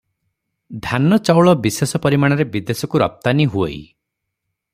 ଧାନ ଚାଉଳ ବିଶେଷ ପରିମାଣରେ ବିଦେଶକୁ ରପ୍ତାନୀ ହୁଅଇ ।